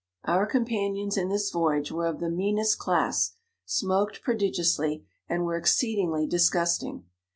Our companions in this voyage were of the meanest class, smoked pro digiously, and were exceedingly dis gusting.